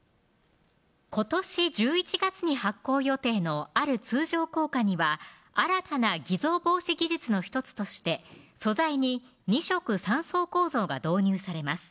今年１１月に発行予定のある通常硬貨には新たな偽造防止技術の１つとして素材に２色３層構造が導入されます